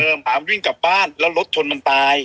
ถามวิ่งกลับบ้านแล้วรถชนมันตาย